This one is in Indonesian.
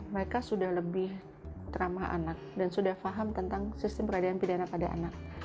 mereka sudah lebih ramah anak dan sudah paham tentang sistem peradilan pidana pada anak